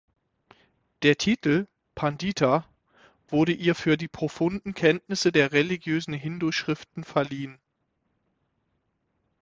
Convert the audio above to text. Der Titel "Pandita" wurde ihr für die profunden Kenntnisse der religiösen Hindu-Schriften verliehen.